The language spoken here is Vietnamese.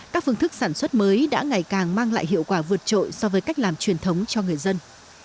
các phương thức sản xuất mới đã ngày càng mang lại hiệu quả vượt trội so với cách làm truyền thống cho người dân